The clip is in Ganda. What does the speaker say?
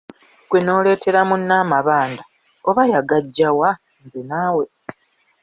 Ggwe n'oleetera munno amabanda! Oba yagaggya wa, nze naawe.